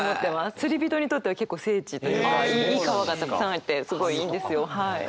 釣り人にとっては結構聖地というかいい川がたくさんあってすごいいいんですよはい。